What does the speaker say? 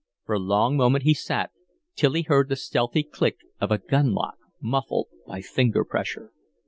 For a long moment he sat, till he heard the stealthy click of a gun lock muffled by finger pressure.